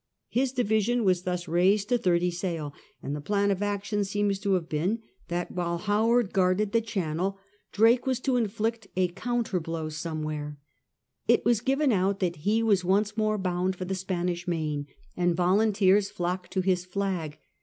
His division was thus raised to thirty sail, and the plan of action seems to have been that while Howard guarded the 136 SIR FRANCIS DRAKE chap. Channel, Drake was to inflict a counter blow somewhere. It was given out that he was once more bound for the Spanish Main, and volunteers flocked to his flag.